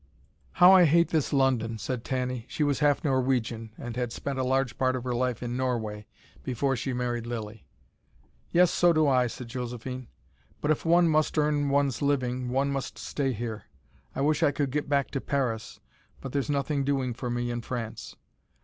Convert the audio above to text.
"How I hate this London," said Tanny. She was half Norwegian, and had spent a large part of her life in Norway, before she married Lilly. "Yes, so do I," said Josephine. "But if one must earn one's living one must stay here. I wish I could get back to Paris. But there's nothing doing for me in France.